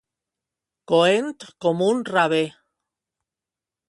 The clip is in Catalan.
Coent com un rave.